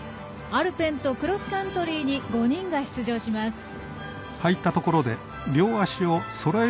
アルペンとクロスカントリーに５人が出場します。